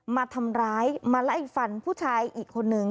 มาทำร้ายมาไล่ฟันผู้ชายอีกคนนึง